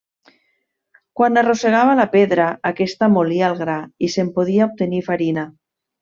Quan arrossegava la pedra, aquesta molia el gra i se'n podia obtenir farina.